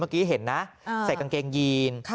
เมื่อกี้เห็นนะใส่กางเกงยีน